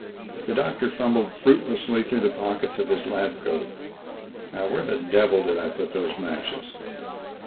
The doctor fumbled fruitlessly through the pockets of his lab coat. "Now where the devil did I put those matches?"